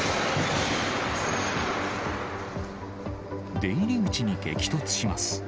出入り口に激突します。